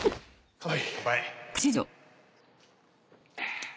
はい。